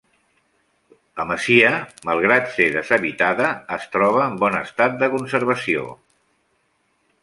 La masia, malgrat ser deshabitada, es troba en bon estat de conservació.